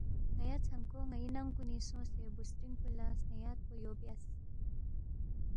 ن٘یا ژھنکو ن٘تی ننگ کُنِنگ سونگسے بُوسترِنگ کُن لہ سن٘یاد پو یو بیاس،